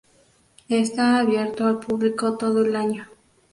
Está abierto al público todo el año.